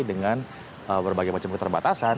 dengan berbagai macam keterbatasan